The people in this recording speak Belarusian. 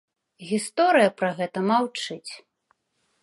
Гісторыя пра гэта маўчыць.